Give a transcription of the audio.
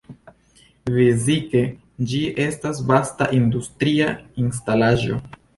Fizike ĝi estas vasta industria instalaĵo.